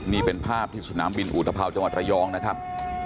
นี่เป็นภาพที่สนามบินอุตภาวจังหวัดระยองนะครับ